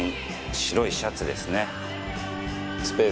白いシャツですね。